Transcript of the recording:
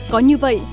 có như vậy